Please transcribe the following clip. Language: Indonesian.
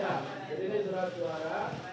jadi ini surat suara